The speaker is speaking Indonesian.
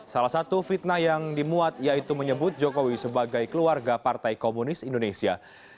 salah satu fitnah yang dimuat yaitu menyebut jokowi sebagai keluarga partai komunis indonesia